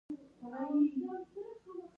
کمپیوټر مې چالاند دي.